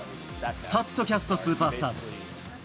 スタットキャストスーパースターです。